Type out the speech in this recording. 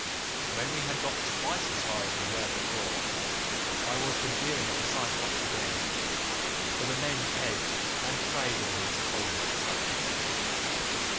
When we had got twice as far as we were before, I was for jeering at the Cyclops again, but the men begged and prayed of me to hold my tongue.